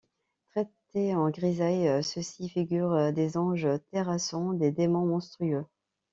Traités en grisaille, ceux-ci figurent des anges terrassant des démons monstrueux.